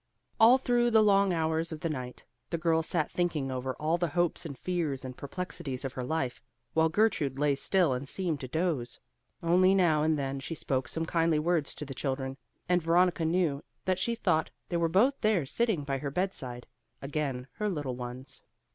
All through the long hours of the night, the girl sat thinking over all the hopes and fears and perplexities of her life, while Gertrude lay still and seemed to doze. Only now and then she spoke some kindly words to the children, and Veronica knew that she thought they were both there sitting by her bed side; again her little ones.